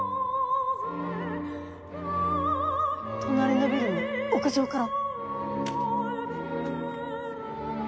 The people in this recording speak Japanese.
隣のビルの屋上から。